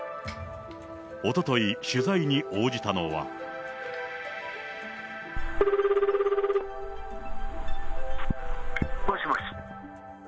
おととい、取材に応じたのは。もしもし？